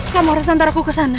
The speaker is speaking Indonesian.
kamu harus nantar aku ke sana